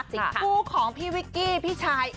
คู่ของพี่วิกกี้พี่ชาย